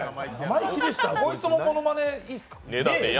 こいつもモノマネいいですか。